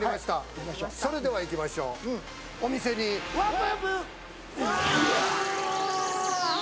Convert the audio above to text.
それではいきましょう、お店にワープ。